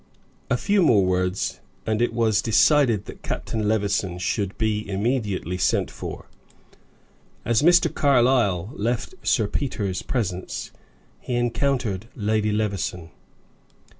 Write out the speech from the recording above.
A few more words, and it was decided that Captain Levison should be immediately sent for. As Mr. Carlyle left Sir Peter's presence, he encountered Lady Levison.